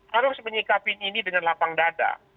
harus menyikapi ini dengan lapang dada